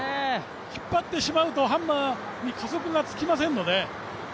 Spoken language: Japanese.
引っ張ってしまうと、ハンマーに加速がつきませんので。